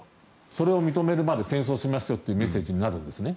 それを認めるまで戦争しますよというメッセージになるんですね。